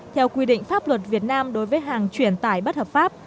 theo quy định pháp luật việt nam đối với hàng chuyển tải bất hợp pháp